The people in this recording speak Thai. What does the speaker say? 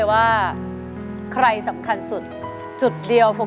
ถ้าขอบคุณก็ืมปล้อยกัน